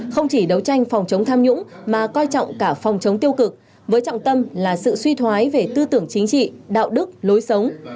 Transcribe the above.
không chỉ đấu tranh phòng chống tham nhũng mà coi trọng cả phòng chống tiêu cực với trọng tâm là sự suy thoái về tư tưởng chính trị đạo đức lối sống